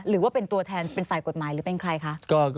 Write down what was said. หรือว่าเป็นตัวแทนเป็นฝ่ายกฎหมายหรือเป็นใครคะ